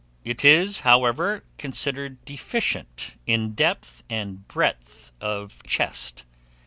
It is, however, considered deficient in depth and breadth of chest.